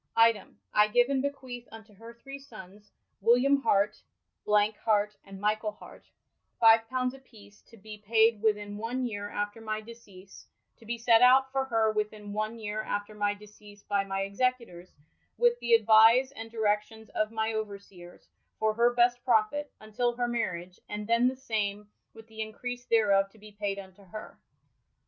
''' Item, I f^yve and be queath unto her three sonnes, William Harte, Hart, and Michaell Harte, fyve pounds a peece, to be paied within one yeare after my deceas [to be sett out for her within one yeare after my deceas by my execu tours, with thadvise and direccions of my overseers, for her best profitt, untill her mariage, and then the same with the increase thereof to be paied unto her].